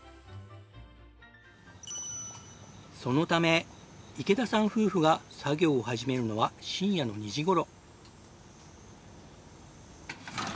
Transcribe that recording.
そのため池田さん夫婦が作業を始めるのは深夜の２時頃。